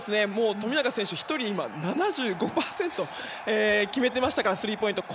富永選手１人で７５％決めていましたからねスリーポイントを。